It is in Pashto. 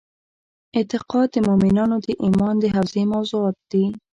اعتقاد د مومنانو د ایمان د حوزې موضوعات دي.